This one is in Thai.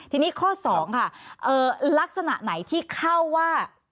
ทีนี้ข้อ๒ค่ะลักษณะไหนที่เข้าว่า